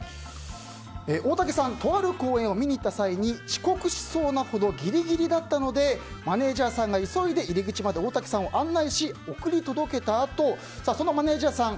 大竹さんとある公演を見に行った際に遅刻しそうなほどギリギリだったのでマネジャーさんが急いで大竹さんを入り口まで案内して送り届けたあとそのマネジャーさん